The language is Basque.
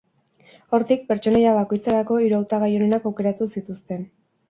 Hortik, pertsonaia bakoitzerako hiru hautagai onenak aukeratu zituzten.